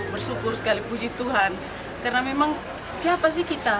bersyukur sekali puji tuhan karena memang siapa sih kita